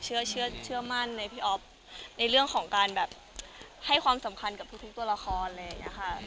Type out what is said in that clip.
เชื่อมั่นในพี่อ๊อฟในเรื่องของการแบบให้ความสำคัญกับทุกตัวละครอะไรอย่างนี้ค่ะ